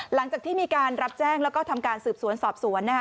หลังจากที่มีการรับแจ้งแล้วก็ทำการสืบสวนสอบสวนนะคะ